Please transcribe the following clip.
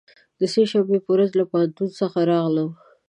د سه شنبې په ورځ له پوهنتون څخه راغلم.